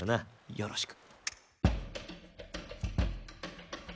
よろしく。